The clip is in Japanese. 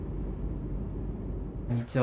こんにちは。